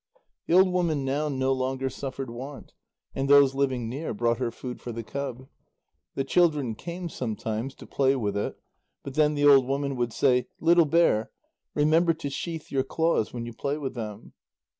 The old woman now no longer suffered want, and those living near brought her food for the cub. The children came sometimes to play with it, but then the old woman would say: "Little bear, remember to sheathe your claws when you play with them."